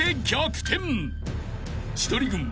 ［千鳥軍は］